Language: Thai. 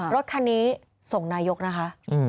รถคันนี้ส่งนายกนะคะ